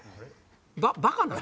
バカなの？